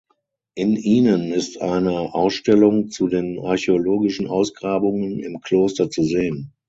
In ihnen ist eine Ausstellung zu den archäologischen Ausgrabungen im Kloster zu sehen.